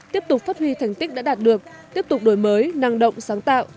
tiếp tục phát huy thành tích đã đạt được tiếp tục đổi mới năng động sáng tạo